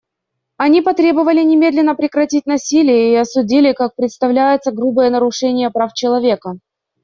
Они потребовали немедленно прекратить насилие и осудили, как представляется, грубые нарушения прав человека.